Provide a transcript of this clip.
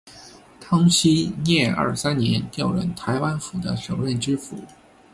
康熙廿三年调任台湾府的首任知府。